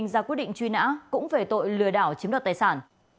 ra quyết định truy nã cũng về tội lừa đảo chiếm đoạt tài sản